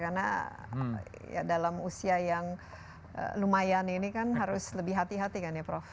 karena dalam usia yang lumayan ini kan harus lebih hati hati kan ya prof